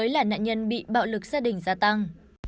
nạn nhân bị bạo lực gia đình gia tăng